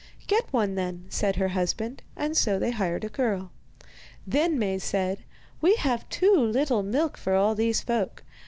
'Get one, then,' said her husband; and so they hired a girl. Then Maie said: 'We have too little milk for all these folk.